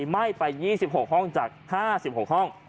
ไหม้ไป๒๖ห้องจาก๕๖ห้อง